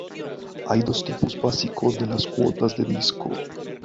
Hay dos tipos básicos de las cuotas de disco.